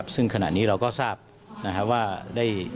ซึ่งขณะนี้เราก็ทราบว่าได้